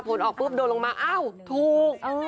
ผลออกปุ๊บโดนลงมาอ้าวถูก